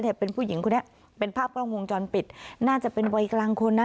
เป็นผู้หญิงคนนี้เป็นภาพกล้องวงจรปิดน่าจะเป็นวัยกลางคนนะ